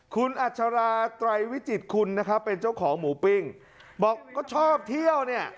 คุณอัชราไตรวิจิตคุณนะครับเป็นเจ้าของหมูปิ้งบอกก็ชอบเที่ยวเนี่ย